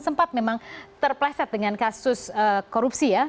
sempat memang terpleset dengan kasus korupsi ya